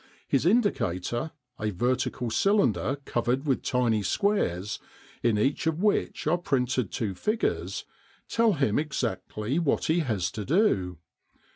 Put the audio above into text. His indicator, a vertical cylinder covered with tiny squares, in each of which are printed two figures, tell him exactly what he has to do.